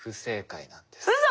うそ！